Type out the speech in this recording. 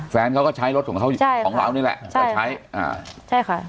แฟนเขาก็ใช้รถของเรานี่แหละใช่ค่ะ